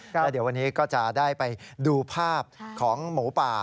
แล้วเดี๋ยววันนี้ก็จะได้ไปดูภาพของหมูป่า